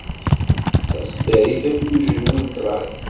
Taseddarit akked ujenwi n ṭṭrad.